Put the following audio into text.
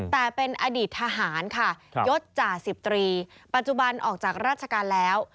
แต่เป็นอดีตทหารค่ะยศจ่าสิบตรีปัจจุบันออกจากราชการแล้ว